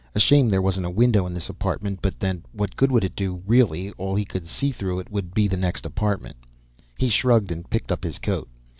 A shame there wasn't a window in this apartment, but then, what good would it do, really? All he could see through it would be the next apartment. He shrugged and picked up his coat.